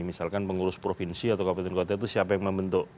misalkan pengurus provinsi atau kabupaten kota itu siapa yang membentuk